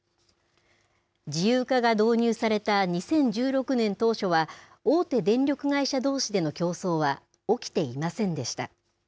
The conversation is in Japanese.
自由化が導入された２０１６年当初は大手電力会社どうしでの競争は起きていませんでした。